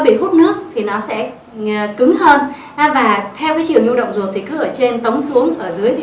bị hút nước thì nó sẽ cứng hơn và theo cái chiều nhu động ruột thì cứ ở trên tống xuống ở dưới thì